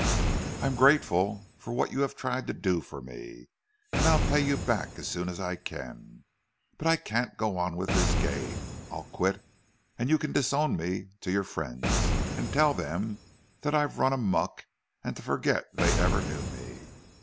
I'm grateful for what you have tried to do for me, and I'll pay you back as soon as I can. But I can't go on with this game. I'll quit, and you can disown me to your friends—tell them that I've run amuck, and to forget they ever knew me.